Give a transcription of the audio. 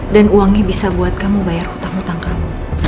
dan uangnya bisa buat kamu bayar hutang hutang kamu